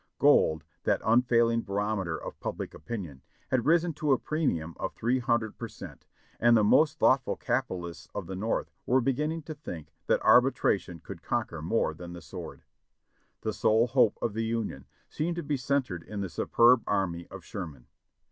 Gold, that unfailing barometer of public opinion, had risen to a premium of three hundred per cent, and the most thoughtful capitalists of the North were beginning to think that arbitration could conquer more than the sword. The sole hope of the Union seemed to be centered in the su perb army of Sherman.